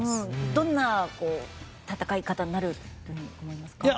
どんな戦い方になると思いますか。